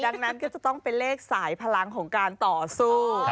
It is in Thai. ดังนั้นก็จะต้องเป็นเลขสายพลังของการต่อสู้